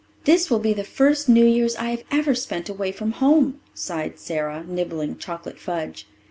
"This will be the first New Year's I have ever spent away from home," sighed Sara, nibbling chocolate fudge.